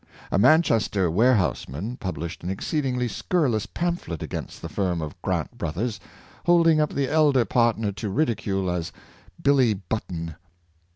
A Manchester warehouseman pub lished an exceedingly scurrilous pamphlet against the firm of Grant Brothers, holding up the elder partner to ridicule as "Billy Button."